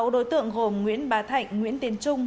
sáu đối tượng gồm nguyễn bá thạnh nguyễn tiến trung